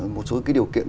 một số điều kiện